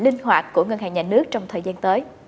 linh hoạt của ngân hàng nhà nước trong thời gian tới